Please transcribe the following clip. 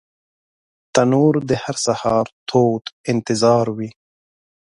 تنور د هر سهار تود انتظار وي